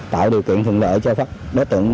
tạo điều kiện thường lợi cho đối tượng